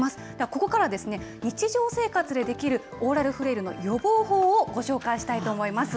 ここからは、日常生活でできるオーラルフレイルの予防法をご紹介したいと思います。